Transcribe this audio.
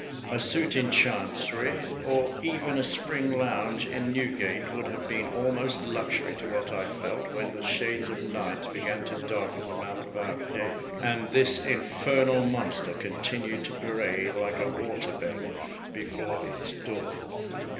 A suit in Chancery, or even a spring lounge in Newgate, would have been almost luxury to what I felt when the shades of night began to darken the mouth of our cave, and this infernal monster continued to parade, like a water bailiff, before its door.